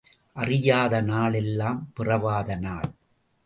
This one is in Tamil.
அறியாத நாள் எல்லாம் பிறவாத நாள்.